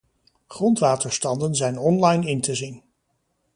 Grondwaterstanden zijn online in te zien.